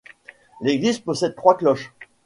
L'église possède trois cloches.